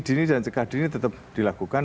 dini dan cekah dini tetap dilakukan